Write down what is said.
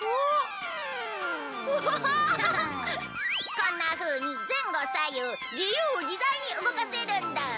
こんなふうに前後左右自由自在に動かせるんだ。